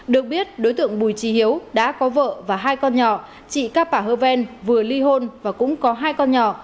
được biết đối tượng bùi trì hiếu đã có vợ và hai con nhỏ chị ca bảo hơ vên vừa ly hôn và cũng có hai con nhỏ